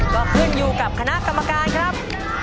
ก็ขึ้นอยู่กับคณะกรรมการครับ